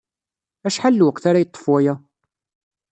Acḥal n lweqt ara yeṭṭef waya?